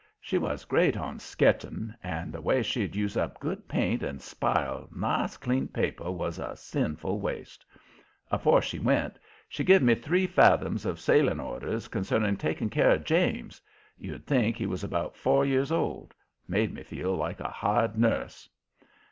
She was great on "sketching," and the way she'd use up good paint and spile nice clean paper was a sinful waste. Afore she went, she give me three fathom of sailing orders concerning taking care of "James." You'd think he was about four year old; made me feel like a hired nurse.